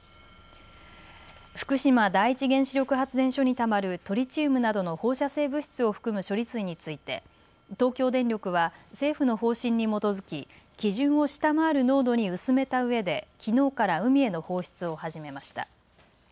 福島第一原子力発電所にたまるトリチウムなどの放射性物質を含む処理水について東京電力は政府の方針に基づき基準を下回る濃度に薄めたうえできのうから海への放出を始めました。